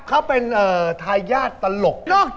เข้าเป็นใครไม่ได้นอกเศรษฐ์